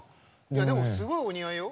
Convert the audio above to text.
でもすごいお似合いよ。